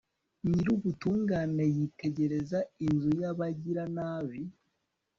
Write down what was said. nyir'ubutungane yitegereza inzu y'abagiranabi